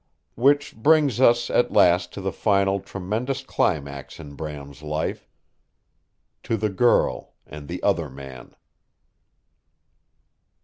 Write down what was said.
Which brings us at last to the final tremendous climax in Bram's life to the girl, and the other man.